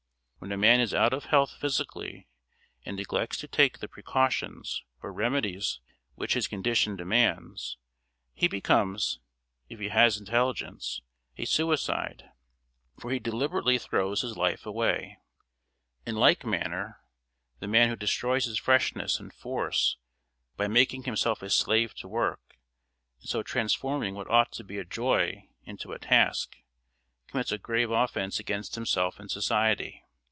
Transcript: When a man is out of health physically and neglects to take the precautions or remedies which his condition demands, he becomes, if he has intelligence, a suicide; for he deliberately throws his life away. In like manner, the man who destroys his freshness and force by making himself a slave to work and so transforming what ought to be a joy into a task, commits a grave offence against himself and society.